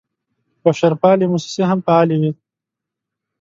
بشرپالې موسسې هم فعالې وې.